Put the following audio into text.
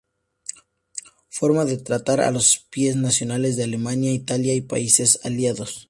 Forma de tratar a los espías y nacionales de Alemania, Italia y países aliados.